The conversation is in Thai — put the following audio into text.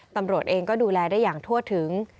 ตำรวจเองก็ดูแลได้อย่างทั่วถึง